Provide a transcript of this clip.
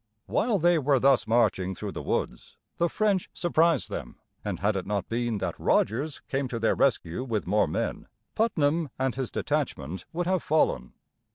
While they were thus marching through the woods, the French surprised them; and had it not been that Rogers came to their rescue with more men, Putnam and his detachment would have fallen.